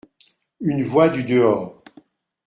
UNE VOIX DU DEHORS.